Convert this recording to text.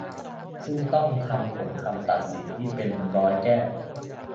ซึ่งต้องทำผลคำตัดสินที่เป็นร้อยแก้ว